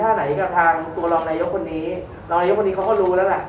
ถ้าไหนกับทางตัวรองนายกคนนี้รองนายกคนนี้เขาก็รู้แล้วแหละ